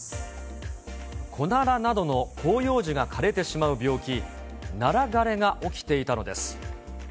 コナラなどの広葉樹が枯れてしまう病気、ナラ枯れが起きていたのです。